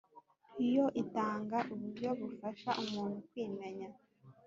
yo itanga uburyo bufasha umuntu kwimenya